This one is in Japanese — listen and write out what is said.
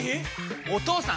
お義父さん！